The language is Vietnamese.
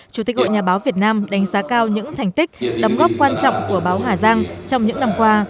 chủ tịch hội nhà báo việt nam đánh giá cao những thành tích đóng góp quan trọng của báo hà giang trong những năm qua